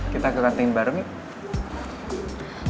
kita ke kantin bareng ya